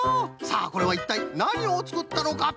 さあこれはいったいなにをつくったのか？